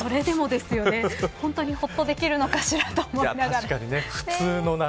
本当にほっとできるのかしらと思いますよね。